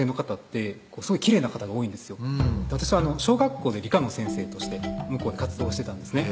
小学校で理科の先生として向こうで活動してたんですね